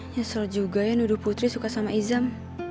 nyesel juga ya nuduh putri suka sama izam